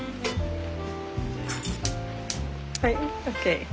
はいＯＫ。